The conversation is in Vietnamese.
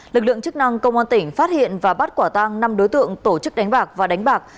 lực lượng chức năng công an tỉnh phát hiện và bắt quả tăng năm đối tượng tổ chức đánh bạc và đánh bạc